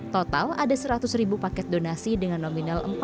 total ada seratus paket donasi dengan nominal empat puluh tujuh miliar rupiah